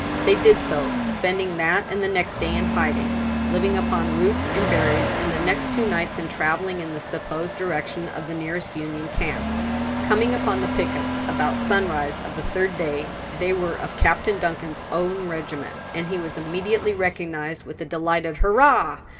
They did so, spending that and the next day in hiding, living upon roots and berries, and the next two nights in traveling in the supposed direction of the nearest Union camp, coming upon the pickets about sunrise of the third day. They were of Captain Duncan's own regiment, and he was immediately recognized with a delighted, "Hurrah!"